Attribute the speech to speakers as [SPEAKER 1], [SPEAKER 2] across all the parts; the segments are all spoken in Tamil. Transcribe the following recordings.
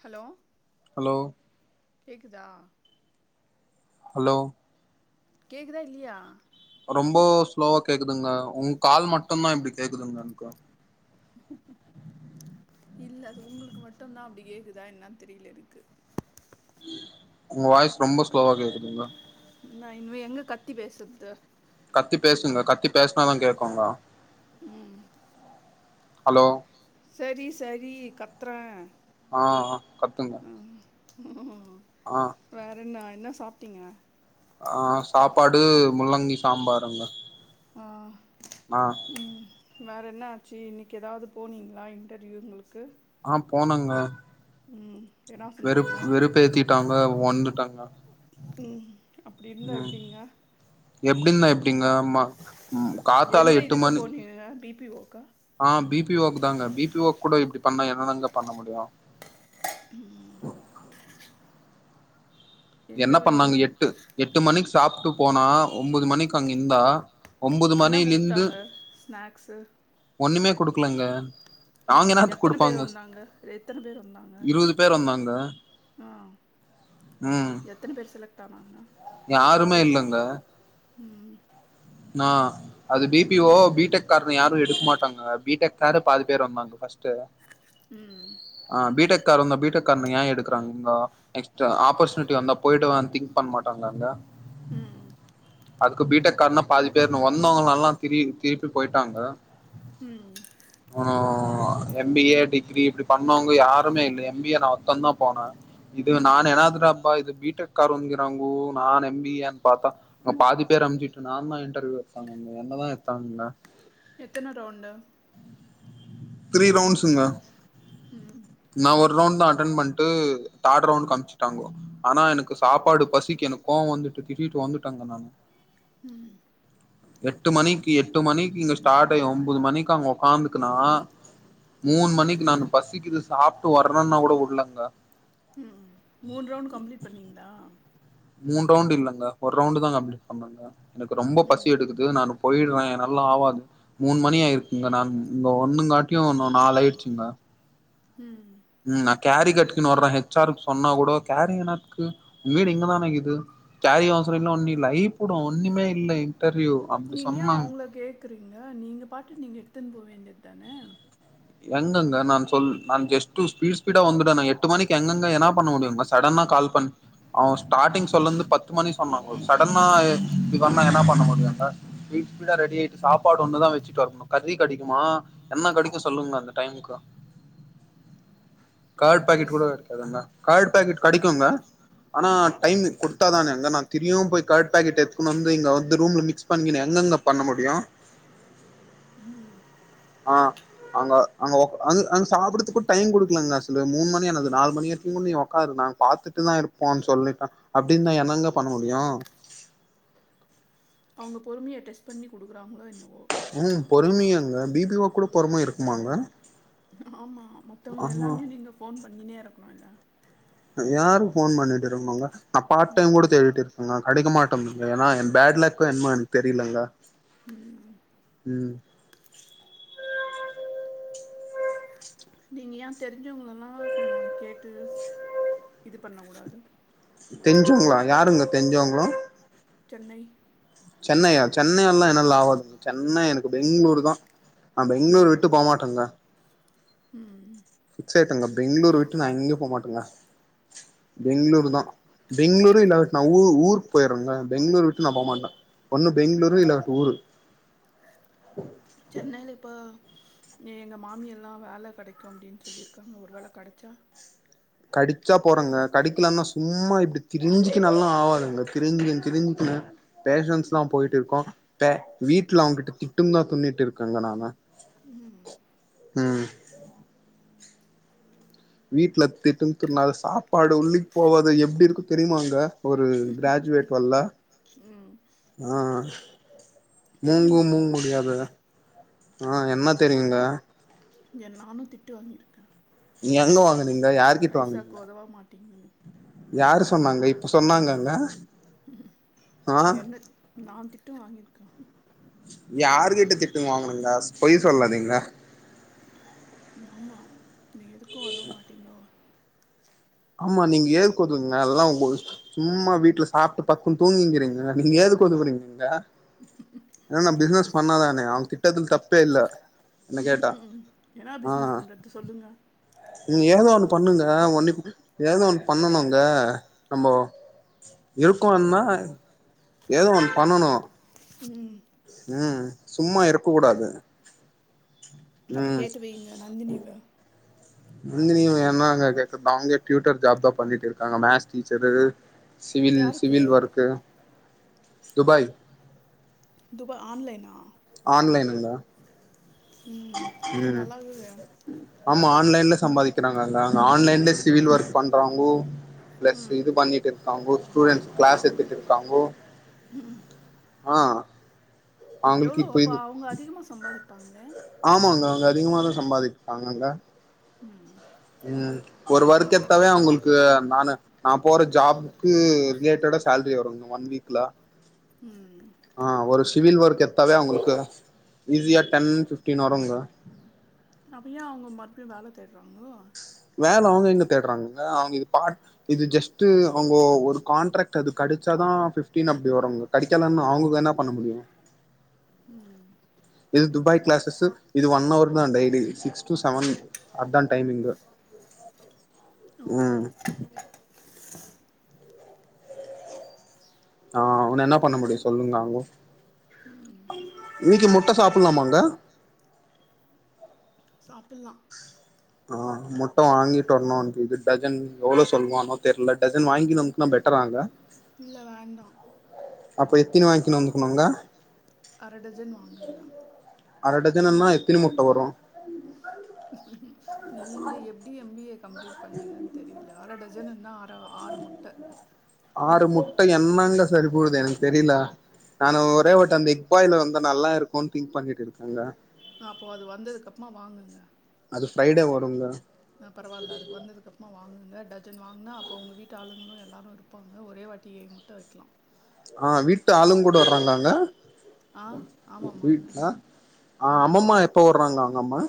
[SPEAKER 1] ஹலோ
[SPEAKER 2] ஹலோ
[SPEAKER 1] கேக்குதா
[SPEAKER 2] ஹலோ
[SPEAKER 1] கேக்குதா இல்லீயா
[SPEAKER 2] ரொம்போ ஸ்லோவா கேக்குதுங்க உங் கால் மட்டுந்தா இப்புடி கேக்குதுங்க என்க்கு
[SPEAKER 1] இல்ல அது உங்குளுக்கு மட்டும்தா அப்டி கேக்குதா என்னன் தெரில எனக்கு
[SPEAKER 2] உங்க வாய்ஸ் ரொம்ப ஸ்லோவா கேக்குதுங்க
[SPEAKER 1] நா இனிமே எங்க கத்தி பேசற்து
[SPEAKER 2] கத்தி பேசுங்க கத்தி பேசுனாதா கேக்குங்க
[SPEAKER 1] ம்
[SPEAKER 2] ஹலோ
[SPEAKER 1] சேரி சேரி கத்துறே
[SPEAKER 2] ஆ ஆ ஆ கத்துங்க
[SPEAKER 1] ம்
[SPEAKER 2] ஆ
[SPEAKER 1] வேறென்னா ன்ன சாப்ட்டீங்க
[SPEAKER 2] ஆ சாப்பாடு முள்ளங்கி சாம்பாருங்க
[SPEAKER 1] ஆ
[SPEAKER 2] நா
[SPEAKER 1] ம் வேற என்ன ஆச்சி இன்னிக்கி ஏதாவது போனீங்ளா இன்டர்வியூங்குளுக்கு
[SPEAKER 2] ஆ போனங்க
[SPEAKER 1] ம் என்னா
[SPEAKER 2] வெறு
[SPEAKER 1] சொன்னாங்க
[SPEAKER 2] வெறுப்பேத்திட்டாங்க வந்துட்டாங்க
[SPEAKER 1] ம் அப்டி இருந்தா
[SPEAKER 2] ம்
[SPEAKER 1] எப்டிங்க
[SPEAKER 2] எப்பிடிங்க எப்பிடிங்க ம காத்தால
[SPEAKER 1] எந்த
[SPEAKER 2] எட்டு
[SPEAKER 1] இதுக்கு
[SPEAKER 2] மணி
[SPEAKER 1] போனீங்க பி பி ஓ க்கா
[SPEAKER 2] ஆ பிபிஓக்கு தாங்க பிபிஓக் கூட இப்பிடி பண்ணா என்னங்க பண்ண முடியு
[SPEAKER 1] ம் எங்க
[SPEAKER 2] என்ன
[SPEAKER 1] வீ
[SPEAKER 2] பண்ணாங்க எட்டு எட்டு மணிக்கு சாப்புட்டு போனா ஒம்பது மணிக்கு அங்க இந்தா ஒம்பது
[SPEAKER 1] என்ன
[SPEAKER 2] மணிலிருந்து
[SPEAKER 1] குடுத்தாங்க ஸ்நாக்ஸு
[SPEAKER 2] ஒன்னுமே குடுக்கலங்க நாங்க
[SPEAKER 1] ம்
[SPEAKER 2] என்னாத்துக்கு
[SPEAKER 1] எத்தன பேர்
[SPEAKER 2] குடுப்பாங்க
[SPEAKER 1] வந்தாங்க எத்தன பேர் வந்தாங்க
[SPEAKER 2] இருவது பேர் வந்தாங்க
[SPEAKER 1] ஆ
[SPEAKER 2] ம்
[SPEAKER 1] எத் எத்தன பேர் செலக்ட் ஆணாங்க
[SPEAKER 2] யாருமே இல்லங்க
[SPEAKER 1] ம்
[SPEAKER 2] நா அது பிபிஓ பிடெக் காரங்கள யாரு எடுக்க மாட்டாங்க பிடெக் காரு பாதி பேர் வந்தாங்க ஃபஸ்ட்டு
[SPEAKER 1] ம்
[SPEAKER 2] காருங்க வந்தா பிடெக் காரன ஏன் எடுக்கறாங்கன்னா நெக்ஸ்ட் ஆப்பர்சுனிட்டி வந்தா போயிட்டுவா திங்க் பண்ண மாட்டாங்க
[SPEAKER 1] ம்
[SPEAKER 2] அதுக்கு பிட்டெக் காரண பாதி பேரு வந்தவங்க எல்லா திரு திருப்பி போயிட்டாங்க
[SPEAKER 1] ம்
[SPEAKER 2] ஆ எம் பி ஏ டிகிரி இப்டி பண்ணவுங்க யாருமே இல்ல எம் பி ஏ நா ஒருத்தந்தா போன இது
[SPEAKER 1] ஆ
[SPEAKER 2] நானு ஏனாதுனாப்பா இது பீ டெக் காரோங்கிறாங்கோ நான் எம் பி ஏன் பாத்தா அங்க பாதி பேர் [unintelligible] நார்மல் இன்டர்வியூ எட்த்தாங்க என்னதா எட்த்தாங்கங்க
[SPEAKER 1] எத்தன ரவுண்டு
[SPEAKER 2] த்ரீ ரவ்ண்ட்ஸுங்க
[SPEAKER 1] ம்
[SPEAKER 2] ரவ்ண்ட் தா அட்டன் பண்ட்டு தார்ட் ரவுண்ட்க்கு அமிச்சிட்டாங்கோ ஆனா எனக்கு சாப்பாடு பசிக்கு எனக்கு கோவோ வந்துட்டு திட்டிட்டு வந்துட்டங்க நானு
[SPEAKER 1] ம்
[SPEAKER 2] எட்டு மணிக்கி எட்டு மணிக்கி இங்க ஸ்டாட் ஆயு ஒம்போது மணிக்கி அங்க ஒக்காந்துக்குனா மூணு மணிக்கு நானு பசிக்கிது சாப்ட்டு வர்றன்னா கூட உட்லங்க
[SPEAKER 1] ம் மூண் ரவ்ண்ட் கம்ப்ளீட் பண்ணீங்ளா
[SPEAKER 2] மூன் ரவுண்ட் இல்லங்க ஒரு ரவுண்டு் தா கம்ப்ளீட் பண்ணங்க எனக்கு ரொம்ப
[SPEAKER 1] ம்
[SPEAKER 2] பசி எடுக்குது நானு போயிர்ற நல்லா ஆவாது மூண் மணி ஆயிருக்குங்க நான் இங்க ஒண்ணுங்காட்டியு ஒன்னு நாலாயிற்ச்சுங்க
[SPEAKER 1] ம்
[SPEAKER 2] ம் நா கேரி கட்டிகினு வர்ற ஹெச் ஆருக் சொன்னா கூடோ கேரினக்கு ஊ வீடு இங்கதானக்குது கேரி அவசரொ இன்னு ஒன்னு இல்ல பயப்புடு ஒன்னுமே இல்லை
[SPEAKER 1] நீங்க ஏ அவுங்கள கேக்குறீங்க நீங்க பாட்டு நீங்க எடுத்துன் போ வேண்டிய தான
[SPEAKER 2] எங்கங்க நான் சொல் நான் கெஸ்ட் ஹௌஸ் ஸ்பீட் ஸ்பீடா வந்துட் நா எட்டு மணிக்கு எங்கங்க என்னா பண்ண முடியுங்க சடனா கால் பண் அவ ஸ்டாட்டிங் சொல்லந்து பத்து மணி சொன்னாங்கோ சடனா எ இப்டி பண்ணா என்னா பண்ண முடியுங்கள் ஸ்பீட் ஸ்பீடா ரெடியாயிட்டு சாப்பாடு ஒண்ணுதா வெச்சிட்டு வர்ணு கறி கடைக்குமா என்ன கடைக் கு சொல்லுங்க அந்த டைமுக்கு காட்
[SPEAKER 1] கர்ட்
[SPEAKER 2] பாக்கெட்
[SPEAKER 1] ரைஸ்
[SPEAKER 2] கூட கெடைக்காது என்ன கர்ட் பேக்கெட் கடைக்குங்க ஆனா டைம் குடுத்தா தானே அங்க நான் திரியும் போய் கர்ட் பேக்கெட் எடுத்துகுனு வந்து இங்க வந்து ரூம்ல மிக்ஸ் பண்ணியினு எங்கங்க பண்ண முடியு
[SPEAKER 1] உம்
[SPEAKER 2] ஆ அங்க அங்க ஒக் அங் அங் சாப்புர்றதுக்கூட டைம் குடுக்லங்க [unintelligible] மூண் மணி ஆனது நாலு மணி வரிக்குங்கூட நீங்க ஒக்காரு நாங் பாத்துட்டுதா எடுப்போன் சொல்லிட்டா அப்டிந்தா என்னங்க பண்ண முடியு
[SPEAKER 1] அவுங்க பொறுமைய டெஸ் பண்ணி குடுக்குறாங்களோ என்னவோ
[SPEAKER 2] ம் பொறுமையாங்க பி பி ஓக் கூட பொறும இருக்குமாங்க
[SPEAKER 1] ஆமா மத்தவங்க
[SPEAKER 2] ஆமா
[SPEAKER 1] எல்லாரையு நீங்க ஃபோன் பண் ணினே இருக்கணு இல்ல
[SPEAKER 2] யாருக் ஃபோன் பண்ணிட் இருக்கணுங்க நா பார்ட்
[SPEAKER 1] ம்
[SPEAKER 2] டைம் கூட தேடிட்டு இருக்கங்க கடைக்கமாட் [unintelligible] ஏன்னா ஏ பேட் லக்கோ என்மோ எனக் தெரியிலங்க
[SPEAKER 1] உம்
[SPEAKER 2] உம்
[SPEAKER 1] நீங்க ஏ தெரிஞ்சவங்களலா கொஞ்சொ கேட்டு இது பண்ண கூடாது
[SPEAKER 2] தெஞ்சவ்ங்களா யாருங்க தெஞ்சவ்ங்கோ
[SPEAKER 1] சென்னை
[SPEAKER 2] சென்னையா சென்னையெல்லா என்னால ஆவாதுங்க சென்னை எனக்கு பெங்ளூரு தா நீ பெங்ளூரு
[SPEAKER 1] ம்
[SPEAKER 2] விட்டு போ மாட்டங்க
[SPEAKER 1] ம்
[SPEAKER 2] கேட்டேங்க பெங்களூரு விட்டு நா எங்கே போகமாட்டேங்க பெங்களூரு தா பெங்களூரு இல்ல நா ஊ ஊருக்கு போயிடுறேங்க பெங்களூர் விட்டு நா போகமாட்ட ஒண்ணு பெங்களூரு இல்ல ஊரு
[SPEAKER 1] சென்னையில இப்ப இங்க எங்க மாமி யெல்லா வேலை கெடைக்கும் அப்டின்னு சொல்லியிருக்காங்க ஒரு வேலை கெடைச்சா
[SPEAKER 2] கடிச்சா போறங்க கடிக்கலாம்னா சும்மா இப்டி திரிஞ்சிக்கன்னல்லாம் ஆவாதுங்க திரிஞ்சிகின்னு திரிஞ்சிக்கின்னு பேஷன்ஸ் எல்லாம் போயிட்டு இருக்கோம் வீட்ல அவங்ககிட்ட திட்டுன்ட்டுதா துண்ணுட்டு இருக்கேங்க நானு
[SPEAKER 1] ம்
[SPEAKER 2] ம் வீட்ல திட்டுன்னு துண்ணாக சாப்பாடு உள்ளிக்கு போவாது எப்டி இருக்கும் தெரியுமாாங்க ஒரு கிராஜுவேட் வல்ல
[SPEAKER 1] ம்
[SPEAKER 2] ஆ மூங்கும்
[SPEAKER 1] தெரியுங்க
[SPEAKER 2] மூங்கு முடியாது ஆ என்ன தெரியுங்க
[SPEAKER 1] ஏ நானும் திட்டு வாங்கிருக்கே
[SPEAKER 2] நீங்க எங்க வாங் னீங்க யார் கிட்டட வாங்கீனிங்க
[SPEAKER 1] ஒதவ மாட்டீங்கன்னு
[SPEAKER 2] யார் சொ சொன்னாங்க இப்ப சொன்னாங்கங்க
[SPEAKER 1] ம்.
[SPEAKER 2] ஆ
[SPEAKER 1] என்ன நா தி ட்டு வாங்கியிருக்கோம்
[SPEAKER 2] யாரு கிட்ட திட்டு வாங்கனுங்க பொய் சொல்லாதீங்க
[SPEAKER 1] ஆமா நீ எதுக்கும் உதவ மாட்டீங்களோ
[SPEAKER 2] ஆமா நீங்க ஏதுக்கதுவீங்க அதெல்லாம் உங்க சும்மா வீட்டுல சாப்பிட்டு படுக்குன்னு தூங்கிங்கீங்க நீங்க ஏதுக்குதுவுறீங்கங்க ஏன நா பிசினஸ் பண்ணாதானே அவங்க திட்டறத்துல தப்பே இல்ல என்ன
[SPEAKER 1] ம்
[SPEAKER 2] கேட்டா
[SPEAKER 1] ம் என்னா
[SPEAKER 2] ஆ
[SPEAKER 1] பிசினஸ் பண்றதுக்கு சொல்லுங்க
[SPEAKER 2] நீங்க ஏதோ ஒண்ணு பண்ணுங்க ஒன்ன ஏதோ ஒண்ணு பண்ணணுங்க நம்போ இருக்கோம்ன்னா ஏதோ ஒண்ணு பண்ணணும்
[SPEAKER 1] ம்
[SPEAKER 2] ம் சும்மா இருக்க கூடாது
[SPEAKER 1] அப்ப கேட்டு வையங்க நந்தினி வ
[SPEAKER 2] நந்தினிய என்னாங்க கேக்கறது அவங்களே டியூட்டர் ஜாப் தா பண்ணிட்டு இருக்காங்க மேக்ஸ் டீச்சரு சிவில்
[SPEAKER 1] யாருக்கு
[SPEAKER 2] சிவில் ஒர்க்கு துபாய்
[SPEAKER 1] துபை ஆன்லைனா
[SPEAKER 2] ஆன்லைனுங்களா
[SPEAKER 1] ம் இது
[SPEAKER 2] ம்
[SPEAKER 1] நல்ல இருக்குதே
[SPEAKER 2] ஆமா ஆன்லைன்ல சம்பாதிக்கிறாங்கங்கங்க ஆன்லைன்ல சிவில் ஒர்க் பண்றாங்கோ பிளஸ்
[SPEAKER 1] ம்
[SPEAKER 2] இது பண்ணிட்டு இருக்காங்கோ ஸ்டூடெண்ட்ஸ் கிளாஸ் எடுத்துட்டு இருக்காங்கோ
[SPEAKER 1] ம்
[SPEAKER 2] ஆ அவங்களுக்கு
[SPEAKER 1] எவ்ளோ
[SPEAKER 2] இப்ப
[SPEAKER 1] அப்ப
[SPEAKER 2] இது
[SPEAKER 1] அவங்க அதிகமா சம்பாதிப்பாங்களே
[SPEAKER 2] ஆமாங்க அங்க அதிகமாதா சம்பாதிப்பாங்கங்க
[SPEAKER 1] ம்
[SPEAKER 2] ம், ஒரு வர்க் எடுத்தாவே அவங்களுக்கு நானு நா போற ஜாப்க்கு ரிலேட்டடா சேலரி வரும்ங்க ஒன் வீக்ல
[SPEAKER 1] ம்
[SPEAKER 2] ஆ ஒரு சிவில் ஒர்க் எடுத்தாவே அவங்களுக்கு ஈஸியா டென் ஃபிஃப் டீன் வருங்க
[SPEAKER 1] அப்ப ஏ அவங்க மறுபடியு வேலை தேடுறாங்க
[SPEAKER 2] வேலை அவங்க எங்க தேடுறாங்கங்க, அவங்க இது பார்ட், இது ஜஸ்ட் அவங்க ஒரு கான்ட்ராக்ட் அது கெடைச்சாதா ஃபிஃப்டீன் அப்டி வருங்க கடைக்கலனா அவங்க என்ன பண்ண முடியு
[SPEAKER 1] ம்
[SPEAKER 2] இது துபாய் கிளாஸஸ் இது ஒன் ஹவர் தா டெய்லி சிக்ஸ் டு செவன் அது தா டைம் இங்க
[SPEAKER 1] ஓகே
[SPEAKER 2] ம் ஆ, அவனு என்ன பண்ண
[SPEAKER 1] சரி
[SPEAKER 2] முடியு
[SPEAKER 1] சரி
[SPEAKER 2] சொல்லுங்க அங்க
[SPEAKER 1] ம்
[SPEAKER 2] நீங்க முடிச் ச்சா சாப்புட்லாமாங்க
[SPEAKER 1] சாப்புட்லா
[SPEAKER 2] ஆ, முட்டை வாங்கிட்டு வரணு இது டஜன் எவ்வளோ சொல்லுவானோ தெரில டஜன் வாங்கினு வந்துகினா பெட்டராங்க
[SPEAKER 1] இல்ல வேண்டா
[SPEAKER 2] அப்ப எத்தினி வாங்கிக்னு வந்துக்கணுங்க
[SPEAKER 1] அர டஜன் வாங்குங்க
[SPEAKER 2] அர டஜனுன்னா எத்தின முட்ட வரு
[SPEAKER 1] நீங்க எப்டி எம் பி ஏ கம்ப்ளீட் பண்ணீங்கன் தெரில அர டஜனுன்னா அரை ஆறு முட்ட
[SPEAKER 2] ஆறு முட்டைஎன்னங்க சரி போடுது எனக்கு தெரில நானு ஒரே வட்ட அந்த எக்பாய்ல வந்து நல்லா இருக்குன் திங்க் பண்ணிட்டு இருக்கங்க
[SPEAKER 1] அப்போ அது வந்ததுக்கப்மா வாங்குங்க
[SPEAKER 2] அது ஃப்ரைடே வருங்க
[SPEAKER 1] ஆ பரவால்ல அதுக்கு வந்தது அப்றோ வாங்குங்க டஜன் வாங்னா அப்ப உங்க வீட்டு ஆளுங்களு எல்லாரு இருப்பாங்க ஒரே வாட்டியே முட்ட வைக்கலா
[SPEAKER 2] ஆ வீட்டு ஆளுங் கூட வர்றாங்காலாங்க
[SPEAKER 1] ஆ ஆமாமாங்கா
[SPEAKER 2] ஆ அம்மம்மா எப்போ வர்றாங்க அங்க அம்மா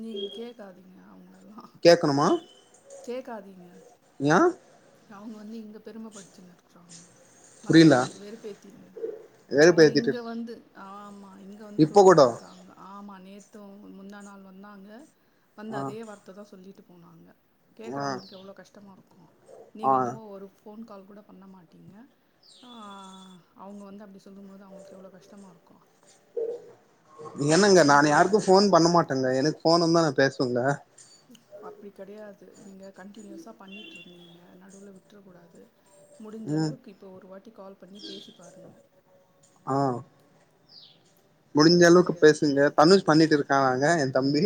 [SPEAKER 1] நீங்க கேக்காதீங்க அவங்கல்லா
[SPEAKER 2] கேக்கணுமா
[SPEAKER 1] கேக்காதீங்க
[SPEAKER 2] ஏ
[SPEAKER 1] அவங்க வந்து இங்க பெரும படுத்தினு இருக்குறாங்க
[SPEAKER 2] புரில
[SPEAKER 1] மத்தவங்கள வெறுப்பேத்தினு அவங்க
[SPEAKER 2] வெறுப்பேத்திட்டு
[SPEAKER 1] இங்க வந்து ஆமா இங்க வந்து
[SPEAKER 2] இப்ப கூட
[SPEAKER 1] சொல்லிட்டு இருக்காங்க ஆமா நேத்து முந்தா நாளு வந்தாங்க வந்து
[SPEAKER 2] ஆ
[SPEAKER 1] அதே வார்த்த தா சொல்லிட்டு
[SPEAKER 2] ஆ
[SPEAKER 1] கேக்கறவங்களுக்கு எவ்ளோ கஷ்டமா இருக்கும்
[SPEAKER 2] ஆ
[SPEAKER 1] நீங்க என்னவோ ஒரு போன் கால் கூட பண்ண மாட்டிங்க ஆ அவங்க வந்து அப்டி சொல்லும் போது அவங்களுக்கு எவ்ளோ கஷ்டமா இருக்கு
[SPEAKER 2] இல்லனா இங்க நானு
[SPEAKER 1] ஒரு த-
[SPEAKER 2] யாருக்கு போன் பண்ண மாட்டேங்க எனக்கு போன் வந்தா பேசுங்க
[SPEAKER 1] அப்டி கெடயாது நீங்க கண்ட்டினியூசா பண்ணிட்ருந்திங்க நடுவுல விட்ர கூடாது
[SPEAKER 2] ம்
[SPEAKER 1] முடிஞ்சளவுக்கு இப்போ ஒரு வாட்டி கால் பண்ணி பேசி பாருங்க
[SPEAKER 2] ஆ முடிஞ்ச
[SPEAKER 1] தப்பு
[SPEAKER 2] அளவுக்கு
[SPEAKER 1] கெடையாது
[SPEAKER 2] பேசுங்க தனுஷ் பண்ணிட்டு இருக்கானாங்க தம்பி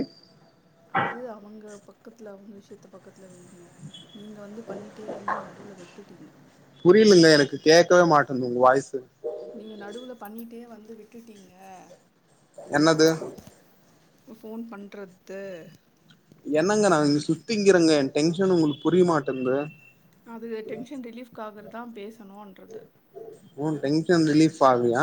[SPEAKER 1] அது அவங்க பக்கத்துல அவங்க விஷயத் து பக்கத்துல வைங்க நீங்க வந்து பண்ணிட்டே இருந்து நடுவுல விட்டுடீங்க
[SPEAKER 2] புரியலங்க எனக்கு கேட்கவே மாட்டேன்து உங்க வாய்ஸு
[SPEAKER 1] நீங்க நடுவுல பண்ணிட்டே வந் விட்டுட்டீங்க
[SPEAKER 2] என்னது
[SPEAKER 1] ஃபோன் பண்றது
[SPEAKER 2] என்னங்க நா இங் சுத்திங்கிறங்க என் டென்ஷன் உங்ளுக்கு புரியமாட்டுன்து
[SPEAKER 1] அது டென்ஷன் ரிலீஃப்காகற்தா பேசணு ன்றது
[SPEAKER 2] ஊன் டென்ஷன் ரிலீஃப் ஆகுலியா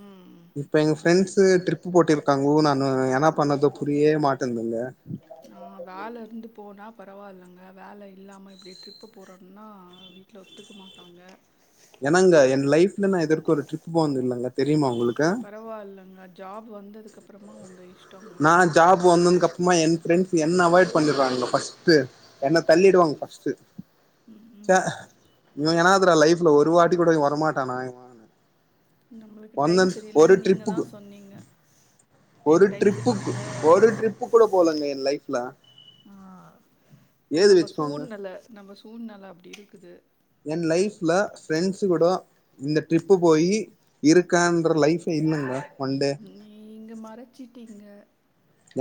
[SPEAKER 1] ம்
[SPEAKER 2] இப்ப எங்க ஃப் ஃப்ரெண்ட்ஸு ட்ரிப்பு போட்டிருக்காங்கு நானு என்ன பண்ணது புரியவே மாட்டன்துங்க
[SPEAKER 1] பரவால்லங்க வேல இல்லாம இப்புடியே ட்ரிப்பு போறோன்னா வீட்ல ஒத்துக்க மாட்டாங்க
[SPEAKER 2] என்னங்க என் லைஃப்ல நா இதுவர்கு ஒரு ட்ரிப்பு போன்தில்லங்க தெரியுமா உ
[SPEAKER 1] பரவால்லங்க ஜாப் வந்ததுக்கப் புறமா உங்க இஷ்
[SPEAKER 2] நா ஜாப்பு வந்தன் கப்புமா என் ஃப்ரெண்ட்ஸ் என்ன அவாய்ட் பண்ணிர்றாங்க ஃபர்ஸ்ட்டு என்ன தள்ளிடுவாங் ஃபர்ஸ்ட்டு
[SPEAKER 1] ம் ம்
[SPEAKER 2] ச்ச இவுனுங்க [unintelligible] துற லைஃப்ல ஒரு வாட்டி கூட இவ வரமாட்டானா இவ [inaudible]
[SPEAKER 1] நம்முளுக்கு டைம்
[SPEAKER 2] ஒன்னன் ஒரு
[SPEAKER 1] சரியில்லன் நீங்க தா
[SPEAKER 2] ட்ரிப்புக்கு
[SPEAKER 1] சொன்னீங்க என் டைம் ச
[SPEAKER 2] ப்புக்கு ஒரு ட்ரிப்பு கூட போலங்க எ ன் லைஃப்ல
[SPEAKER 1] ஆ ஓ
[SPEAKER 2] ஏது
[SPEAKER 1] நம்ப
[SPEAKER 2] வச்சுக்கோங்க
[SPEAKER 1] சூழ்நல நம்ப ஸ் சூழ்நல அப்புடி இருக்குது
[SPEAKER 2] என் லைஃப்ல ஃப்ரெண்ட்ஸு குட இந்த ட்ரிப்பு போயி இருக்கேன்ற லைஃபு இல்லங்க ஒன் டே
[SPEAKER 1] நீ இங்க மறச்சிட் டிங்க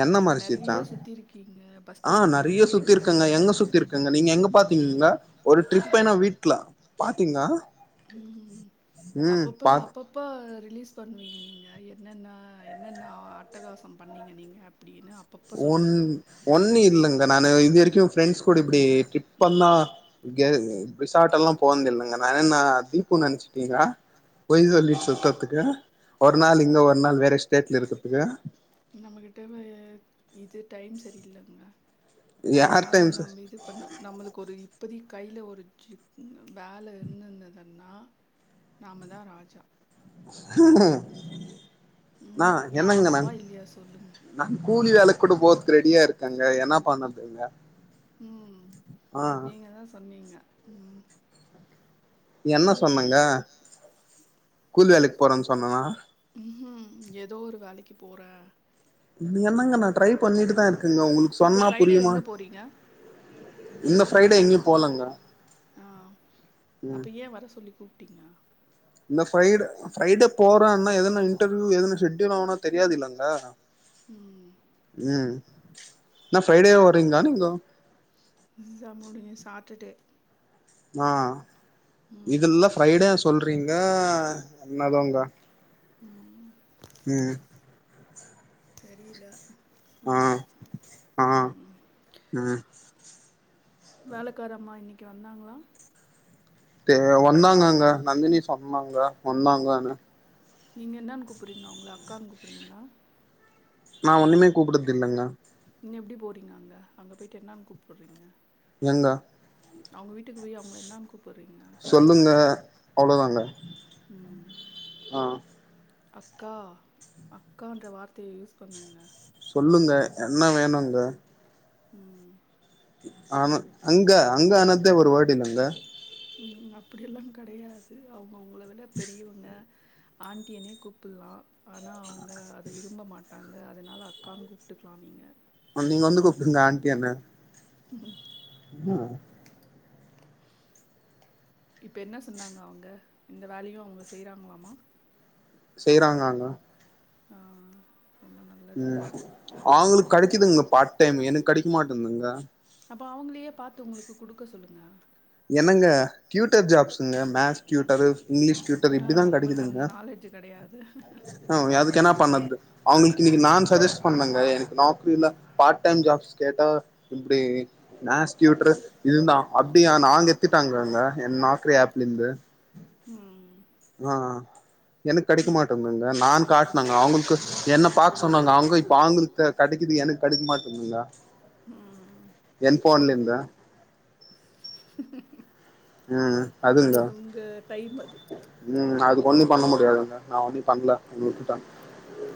[SPEAKER 2] என்ன மாரி சீர்ச்சா
[SPEAKER 1] பஸ்
[SPEAKER 2] ஆ
[SPEAKER 1] ஸ்டாண்ட்ல
[SPEAKER 2] நெறைய
[SPEAKER 1] தூங்கிருக்கீங்க
[SPEAKER 2] சுத்திருக்கங்க எங்க சுத்திர்கங்க நீங்க எங்க பாத்தீங்கங்க ஒரு ட்ரிப்பே நா வீட்ல பாத்தீங்கா
[SPEAKER 1] உம் அப்பப்ப
[SPEAKER 2] பாத்
[SPEAKER 1] அப்பப்ப ரிலீஸ் பண்வீங்க நீங்க என்னன்ன என்னன்ன அட்டகாசம் பண்ணிங்க நீங்கப்
[SPEAKER 2] ஒன் ஒன்னு இல்லங்க நானு இது வரைக்கு ஃப்ரெண்ட்ஸ் கூட இப்டி ட்ரிப்பந்தா ரி ரிசாட்டல்லா போன்தில்லங்க நா என்னா தீப்புன் நெனச்சுட்டீங்கா பொய் சொல்லிட் சுத்தற்துக்கு ஒரு நாள் இங்க ஒரு நாள் வேற ஸ்டேட்ல இருக்கத்துக்கு
[SPEAKER 1] நம்மகிட்ட வ இது டைம் சரியில்லங்க
[SPEAKER 2] யார்
[SPEAKER 1] அதனால
[SPEAKER 2] டைம் ச
[SPEAKER 1] நம்ம இது பண்ண நம்மளுக் கொரு இப்பொதி கைல ஒரு ஜி வேல இர்நன்னுதுன்னா நாம தா ராஜா
[SPEAKER 2] நா
[SPEAKER 1] ம் ஏ ஆமாவா
[SPEAKER 2] என்னங்கனன்
[SPEAKER 1] இல்லையா சொல்லுங்க
[SPEAKER 2] நன் கூலி வேலக் கூட போறதுக்கு ரெடியா இருக்காங்க என்ன பண்ணறதுங்க
[SPEAKER 1] உம் நீங்க தான் சொன்னீங்க உம்
[SPEAKER 2] என்ன சொன்னங்க கூலி வேலக்
[SPEAKER 1] உம் உம் எதோ ஒரு வேலக்கி போற
[SPEAKER 2] இன்னு என்னங்க நா ட்ரை பண்ணிட்டுதான் இருக் கங்க உங்குளுக்கு
[SPEAKER 1] இப்போ
[SPEAKER 2] சொன்னா
[SPEAKER 1] ஃப்ரைடே எங்கே
[SPEAKER 2] புரியுமான்
[SPEAKER 1] போறீங்க
[SPEAKER 2] இந்த ஃபிரைடே எங்கியும் போலங்க
[SPEAKER 1] ஆ
[SPEAKER 2] உம்
[SPEAKER 1] டிங்க
[SPEAKER 2] இந்த ஃபிரைடே ஃபிரைடே போறான்னா எதனா இன்டெரிவ் எதனா ஷெட்டியுல் ஆனா தெரியாது இல்லங்க
[SPEAKER 1] ம்
[SPEAKER 2] உம் நா ஃபிரைடே வறீங்கா நீங்கோ
[SPEAKER 1] எக்ஸாம் முடிஞ்சு சாட்டர்டே
[SPEAKER 2] ஆஹ்
[SPEAKER 1] ம்
[SPEAKER 2] இதுல்ல ஃபிரைடே சொல்றீங்க என்ன தோங்க
[SPEAKER 1] உம்
[SPEAKER 2] உம்
[SPEAKER 1] தெரியில உம்
[SPEAKER 2] ஆ
[SPEAKER 1] உம்
[SPEAKER 2] ம்
[SPEAKER 1] வேலக்காரம்மா இன்னிக்கி வந்தாங்களா
[SPEAKER 2] தே வந்தாங்கங்க நந்தினி சொன்னாங்க வந்தாங்கனு
[SPEAKER 1] நீங்க என்னானு கூப்புறிங்க அவுங்கள அக்கான்னு கூப் றிங்களா
[SPEAKER 2] நா ஒண்ணுமே கூப்புட்டது தில்லங்க
[SPEAKER 1] பின்ன எப்டி போறீங்க அங்க அங்கே போயிட்டு என்னானு கூப்புட்றீங்க
[SPEAKER 2] எங்க
[SPEAKER 1] அவுங்க வீட்டுக்கு போய் அவங்கள என்னான்
[SPEAKER 2] சொல்லுங்க அவ்ளோ தாங்க
[SPEAKER 1] ம்
[SPEAKER 2] ஆ
[SPEAKER 1] அக்கா அக்கான்ற வார்த்தேய யூஸ் பண்ணுங்க
[SPEAKER 2] சொல்லுங்க என்ன வேணுங்க
[SPEAKER 1] ம்
[SPEAKER 2] ஆனா அங்க அங்க ஆனதே ஒரு வேடு இல்லங்க
[SPEAKER 1] ம் ம் அப்டியெல்லாங் கெடையாது அவ் உங்கள விட பெரியவுங்க ஆண்டியனே கூப்பில்லா ஆனா அவுங்க அத விரும்ப மாட்டாங்க அதனால அக்கான்னு கூப்ட்டுக்கிலா நீங்க
[SPEAKER 2] ஆ நீங்க வந்து கூப்புடுங்க ஆண்டியன்னு
[SPEAKER 1] ம்
[SPEAKER 2] ஆ
[SPEAKER 1] இப்ப என்ன சொன்னாங்க அவுங்க இந்த வேலையு அவுங்க செய்றாங்ளாமா
[SPEAKER 2] செய்றாங்கங்க
[SPEAKER 1] ஆ
[SPEAKER 2] ம்
[SPEAKER 1] நல்லதுங்க
[SPEAKER 2] அவுங்களுக் கெடைக்குதுங்க பார்ட் டைம் எனக் கெடைக்க மாட்டேன்துங்க
[SPEAKER 1] அப்ப அவுங்ளேயே பாத்து உங்களுக்கு குடுக்க சொல்லுங்க
[SPEAKER 2] என்னங்க க்யூட்டர் ஜாப்ஸுங்க மேக்ஸ் க்யூட்டரு இங்கிலீஷ் டியூட்டர்
[SPEAKER 1] ஆ
[SPEAKER 2] இப்டிதா
[SPEAKER 1] நம்மளுக்கு
[SPEAKER 2] கெடைக்குதுங்க
[SPEAKER 1] அந்த நாலேஜ் கிடையாது
[SPEAKER 2] [unintelligible] என்ன பண்ணது அவுங்களுக்கு இன்னைக்கு நான் சஜ்ஜெஸ் பண்ணங்க எனக்கு நாக்ரில பார்ட்டைம் ஜாப்ஸ் கேட்டா இப்டி மேக்ஸ் க்டியூட்டரு இதுதா அப்படியா நாங்க எத்திட்டாங்கங்க ஏ நாக்குரி ஆனப்பல இருந்து
[SPEAKER 1] ம்
[SPEAKER 2] ஆ எனக்கு கெடைக்க மாட்டேங்கங்க நான் காட் ங்க அவுங்களுக்கு என்ன பாக் சொன்னாங்க அவுங்க பாங்குனு தெ கெடைக்குது எனக்கு கெடைக்க மாட்டேன்துங்க
[SPEAKER 1] ம்
[SPEAKER 2] என் பலிபீடத்தின் அ ம்
[SPEAKER 1] அது
[SPEAKER 2] அதுங்க
[SPEAKER 1] உங்கள் டைம் அது
[SPEAKER 2] ம் அது ஒண்ணும் பண்ண முடியாதுங்க நா ஒன்னு பண்ல உங்களுக்கிட்ட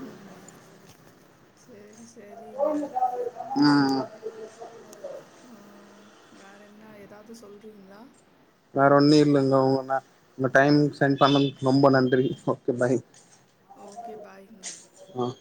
[SPEAKER 1] ம் சேரி சே
[SPEAKER 2] ம் ஏம்
[SPEAKER 1] ம்ம் வேற என்ன எதாவது சொல்றீங்ளா
[SPEAKER 2] வேற ஒன்னும் இல்லங்கோ ஒங்க ஒங்க டைம் சென்ட் பண்ணதுக் ரொம்ப நன்றி ஓகே பாய்
[SPEAKER 1] ஓகே பாய்ங்க
[SPEAKER 2] ஆஹ்